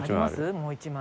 もう１枚。